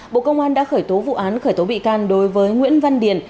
bộ công an đã khởi tố vụ án khởi tố bị can đối với nguyễn văn điền